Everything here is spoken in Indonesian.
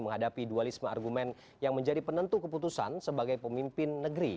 menghadapi dualisme argumen yang menjadi penentu keputusan sebagai pemimpin negeri